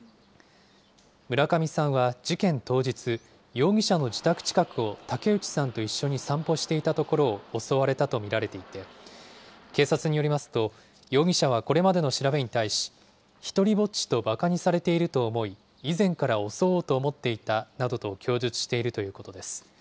村上さんは事件当日、容疑者の自宅近くを竹内さんと一緒に散歩していたところを襲われたと見られていて、警察によりますと、容疑者はこれまでの調べに対し、独りぼっちとばかにされていると思い、以前から襲おうと思っていたなどと供述しているということです。